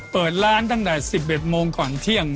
เปิดร้านตั้งแต่๑๑โมงก่อนเที่ยง